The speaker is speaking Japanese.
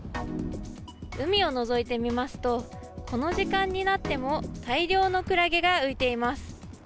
海をのぞいてみますと、この時間になっても大量のクラゲが浮いています。